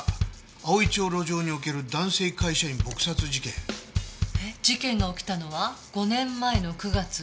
「葵町路上における男性会社員撲殺事件」事件が起きたのは５年前の９月。